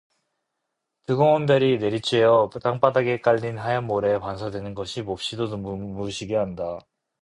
뜨거운 볕이 내리쬐어 땅바닥에 깔린 하얀 모래에 반사되는 것이 몹시도 눈부시게 한다.